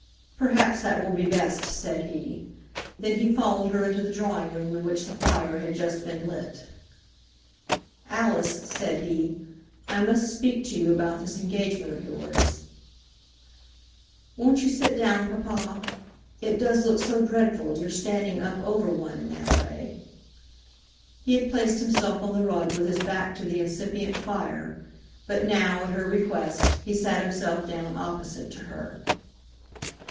"Perhaps that will be best," said he. Then he followed her into the drawing room in which the fire had just been lit. "Alice," said he, "I must speak to you about this engagement of yours." "Won't you sit down, papa? It does look so dreadful, your standing up over one in that way." He had placed himself on the rug with his back to the incipient fire, but now, at her request, he sat himself down opposite to her.